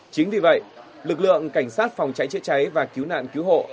chính vì vậy lực lượng cảnh sát phòng cháy chữa cháy và cứu nạn cứu hộ